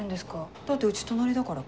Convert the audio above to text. だって家隣だから。